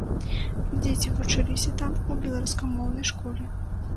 Дзеці вучыліся там у беларускамоўнай школе.